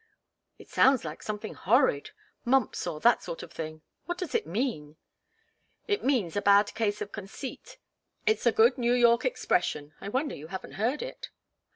"It sounds like something horrid mumps, or that sort of thing. What does it mean?" "It means a bad case of conceit. It's a good New York expression. I wonder you haven't heard it.